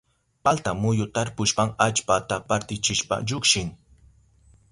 Palta muyu tarpushpan allpata partichishpa llukshin.